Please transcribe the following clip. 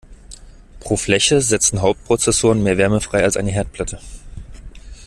Pro Fläche setzen Hauptprozessoren mehr Wärme frei als eine Herdplatte.